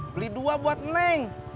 beli dua buat neng